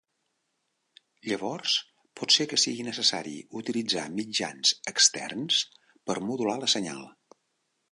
Llavors pot ser que sigui necessari utilitzar mitjans externs per modular la senyal.